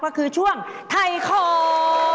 ก็คือช่วงไทยของ